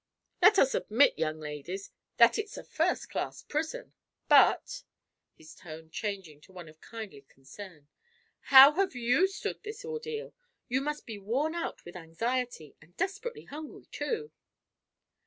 Let us admit, young ladies, that it's a first class prison. But," his tone changing to one of kindly concern, "how have you stood this ordeal? You must be worn out with anxiety, and desperately hungry, too."